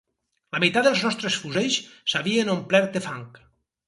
La meitat dels nostres fusells s'havien omplert de fang